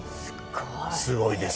すっごい。